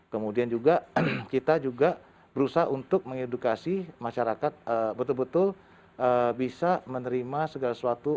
kemudian juga kita juga berusaha untuk mengedukasi masyarakat betul betul bisa menerima segala sesuatu